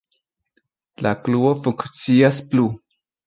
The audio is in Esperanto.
La klubo funkcias plu.